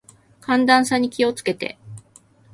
寒暖差に気を付けて。